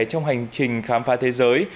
trong hành trình khám phá thế giới